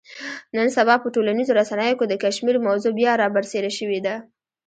نن سبا په ټولنیزو رسنیو کې د کشمیر موضوع بیا را برسېره شوې ده.